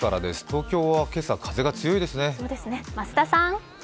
東京は今朝、風が強いですね。